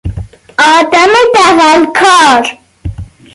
آدم دغلکار